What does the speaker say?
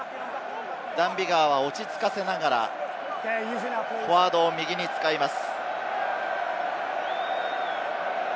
ダン・ビガーは落ち着かせながらフォワードを右に使います。